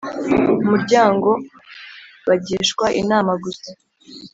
umuryango Bagishwa inama gusa